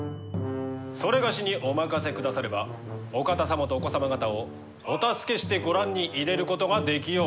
某にお任せくださればお方様とお子様方をお助けしてご覧に入れることができようかと。